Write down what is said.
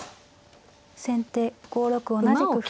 先手５六同じく歩。